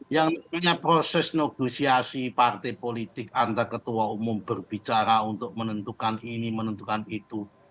yang namanya proses negosiasi partai politik antar ketua umum berbicara untuk menentukan ini menentukan itu